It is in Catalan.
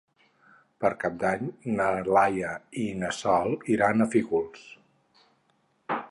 Per Cap d'Any na Laia i na Sol iran a Fígols.